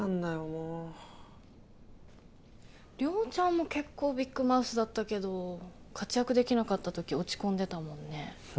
もう亮ちゃんも結構ビッグマウスだったけど活躍できなかった時落ち込んでたもんね